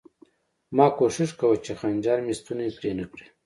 ما کوښښ کاوه چې خنجر مې ستونی پرې نه کړي